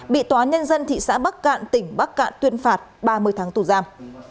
bị tòa nhân dân thị xã bắc cạn tỉnh bắc cạn tuyên phạt ba mươi tháng tù giam